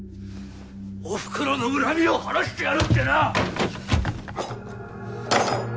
おふくろの恨みを晴らしてやるってな。